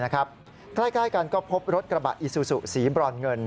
ใกล้กันก็พบรถกระบะอิซูซูสีบรอนเงิน